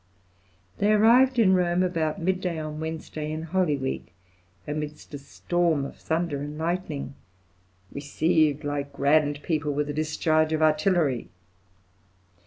They arrived in Rome about midday on Wednesday in Holy Week, amidst a storm of thunder and lightning, "received like grand people with a discharge of artillery."